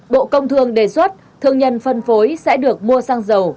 bộ công thương đề xuất thương nhân phân phối sẽ được mua xăng dầu